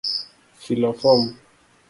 Filo fom: